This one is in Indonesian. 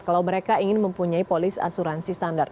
kalau mereka ingin mempunyai polis asuransi standar